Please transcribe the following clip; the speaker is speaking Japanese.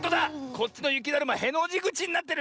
こっちのゆきだるまへのじぐちになってる！